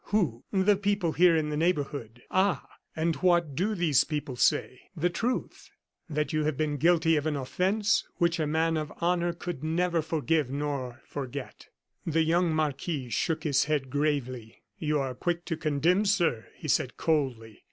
Who?" "The people here in the neighborhood." "Ah! And what do these people say?" "The truth. That you have been guilty of an offence which a man of honor could never forgive nor forget." The young marquis shook his head gravely. "You are quick to condemn, sir," he said, coldly.